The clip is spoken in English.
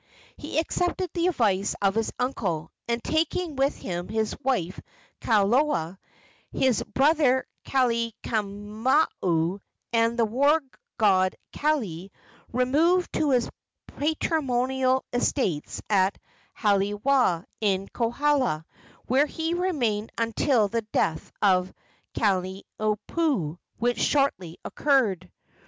He accepted the advice of his uncle, and, taking with him his wife Kalola, his brother Kalaimamahu and the war god Kaili, removed to his patrimonial estates at Halawa, in Kohala, where he remained until the death of Kalaniopuu, which shortly occurred.